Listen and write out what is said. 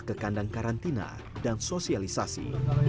ke kandang karantina dan sosialisasi